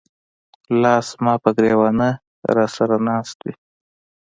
لاس زماپه ګر ېوانه راسره ناست وې